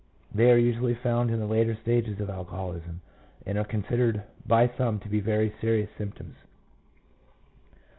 2 They are usually found in the later stages of alcoholism, and are considered by some to be very serious symptoms.